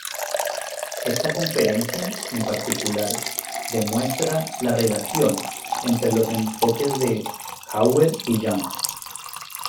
Esta conferencia en particular demuestra la relación entre los enfoques de Hauer y Jung.